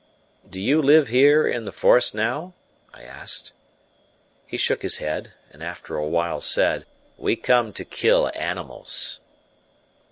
"Do you live here in the forest now?" I asked. He shook his head, and after a while said: "We come to kill animals."